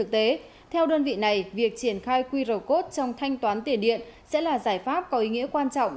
theo đơn vị này việc triển khai qr code trong thanh toán tiền điện sẽ là giải pháp có ý nghĩa quan trọng